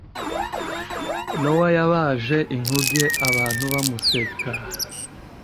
nowa yabaje inkuge abantu bamuseka